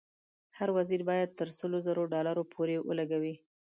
هر وزیر باید تر سلو زرو ډالرو پورې ولګوي.